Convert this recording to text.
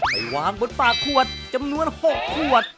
ไปวางบนปากขวดจำนวน๖ขวด